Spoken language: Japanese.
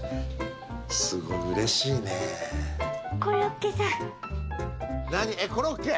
すごいうれしいね何えっコロッケ？